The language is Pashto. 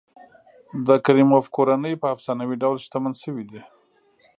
د کریموف کورنۍ په افسانوي ډول شتمن شوي دي.